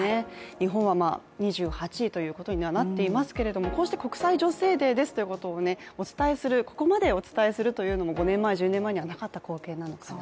日本は２８位ということにはなっていますけれどもこうして国際女性デーですとここまでお伝えするというのも５年前、１０年前にはなかったことなのかな